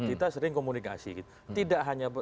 kita sering komunikasi tidak hanya